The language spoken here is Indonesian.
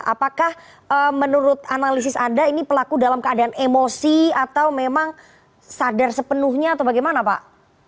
apakah menurut analisis anda ini pelaku dalam keadaan emosi atau memang sadar sepenuhnya atau bagaimana pak